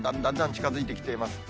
近づいてきています。